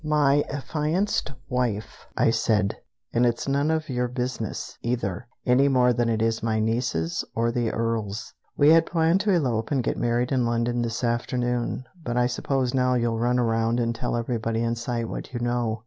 "My affianced wife, I said. And it's none of your business, either, any more than it is my niece's, or the Earl's. We had planned to elope and get married in London this afternoon, but I suppose now you'll run around and tell everybody in sight what you know."